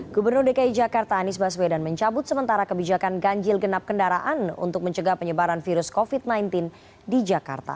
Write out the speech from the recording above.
gubernur dki jakarta anies baswedan mencabut sementara kebijakan ganjil genap kendaraan untuk mencegah penyebaran virus covid sembilan belas di jakarta